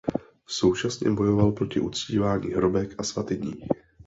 Současně bojoval proti uctívání hrobek a svatyní.